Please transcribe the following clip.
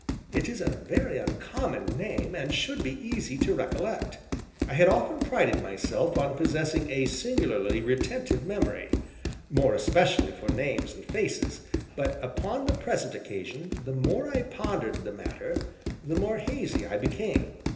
"It is a very uncommon name, and should be easy to recollect." I had often prided myself on possessing a singularly retentive memory, more especially for names and faces, but, upon the present occasion, the more I pondered the matter, the more hazy I became.